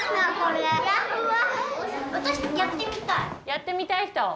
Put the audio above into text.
やってみたい人！